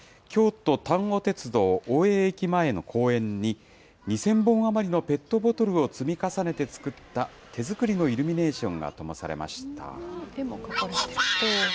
京都丹後鉄道大江駅前の公園に２０００本余りのペットボトルを積み重ねて作った手作りのイルミネーションがともされました。